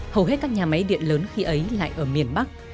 hầu hết các nhà máy điện lớn khi ấy lại ở miền bắc